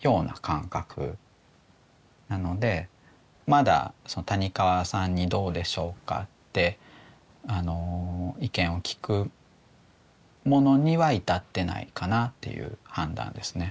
まだ谷川さんに「どうでしょうか？」って意見を聞くものには至ってないかなっていう判断ですね。